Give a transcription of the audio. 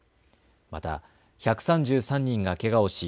また１３３人がけがをし